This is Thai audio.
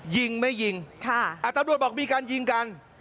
ยิงไม่ยิงตำรวจบอกมีการยิงกัน